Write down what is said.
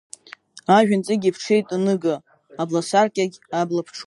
Ажә анҵыгь иԥҽит аныга, абласаркьагь абла ԥҽуп.